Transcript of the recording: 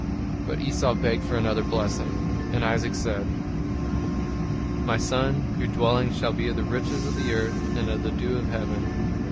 But Esau begged for another blessing; and Isaac said: "My son, your dwelling shall be of the riches of the earth and of the dew of heaven.